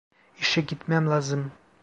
İşe gitmem lazım.